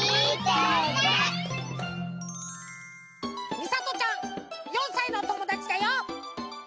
みさとちゃん４さいのおともだちだよ。